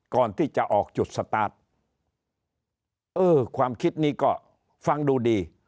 ก่อนที่จะออกจุดสตาร์ทเออความคิดนี้ก็ฟังดูดี